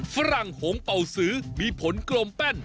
ฝรั่งหงเป่าสือมีผลกลมแป้น